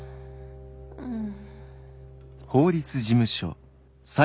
うん。